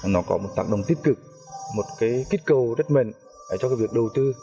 nó có một tác động tích cực một kích cầu rất mạnh cho việc đầu tư